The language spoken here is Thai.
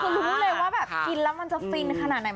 คือรู้เลยว่าแบบกินแล้วมันจะฟินขนาดไหน